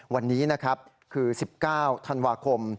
วันนี้นะครับคือ๑๙ธันวาคม